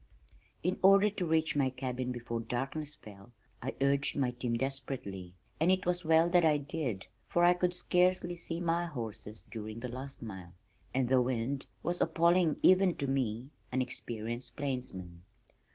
In order to reach my cabin before darkness fell, I urged my team desperately, and it was well that I did, for I could scarcely see my horses during the last mile, and the wind was appalling even to me an experienced plainsman.